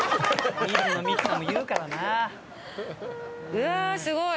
うわすごい。